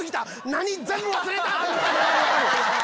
何⁉全部忘れた！